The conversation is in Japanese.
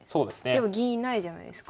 でも銀いないじゃないですか。